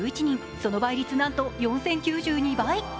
その倍率、なんと４０９２倍。